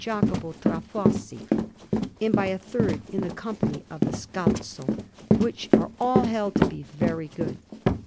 Jacopo tra Fossi, and by a third in the Company of the Scalzo, which are all held to be very good.